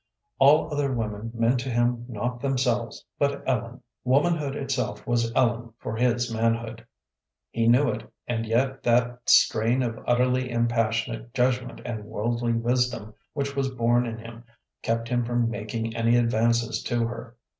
All other women meant to him not themselves, but Ellen. Womanhood itself was Ellen for his manhood. He knew it, and yet that strain of utterly impassionate judgment and worldly wisdom which was born in him kept him from making any advances to her.